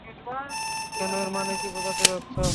কেন এর মানে কী বোঝাতে চাচ্ছো?